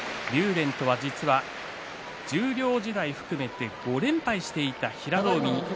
電とは実は十両時代を含めて５連敗していた平戸海です。